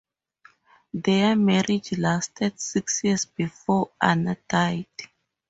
Their marriage lasted six years before Anna died.